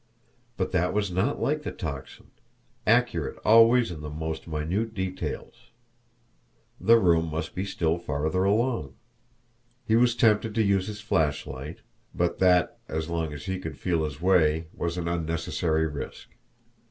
But that was not like the Tocsin, accurate always in the most minute details. The room must be still farther along. He was tempted to use his flashlight but that, as long as he could feel his way, was an unnecessary risk.